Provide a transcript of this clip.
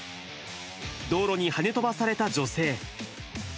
道路にはね飛ばされた女性。